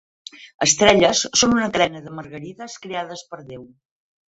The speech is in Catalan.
Estrelles són una cadena de margarides creades per Déu.